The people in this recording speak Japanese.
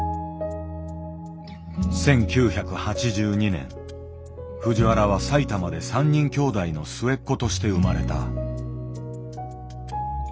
１９８２年藤原は埼玉で３人きょうだいの末っ子として生まれた。